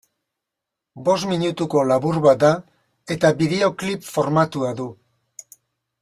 Bost minutuko labur bat da, eta bideoklip formatua du.